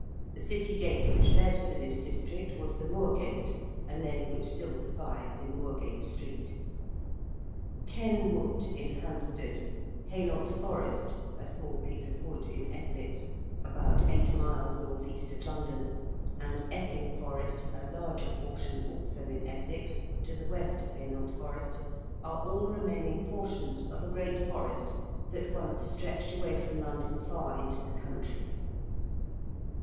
The City gate which led to this district was the Moorgate, a name which still survives in Moorgate Street. ~Ken Wood~, in Hampstead, ~Hainault Forest~, a small piece of wood in Essex, about eight miles north east of London, and ~Epping Forest~, a larger portion, also in Essex, to the west of Hainault Forest, are all remaining portions of a great forest that once stretched away from London far into the country.